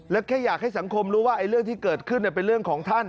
แล้วแค่อยากให้สังคมรู้ว่าเรื่องที่เกิดขึ้นเป็นเรื่องของท่าน